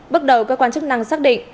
bước đầu cơ quan chức năng xác định